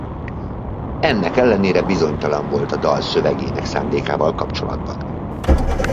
Ennek ellenére bizonytalan volt a dal szövegének szándékával kapcsolatban.